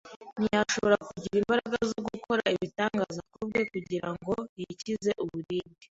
ntiyashobora kugira imbaraga zo gukora ibitangaza ku bwe kugira ngo yikize uburibwe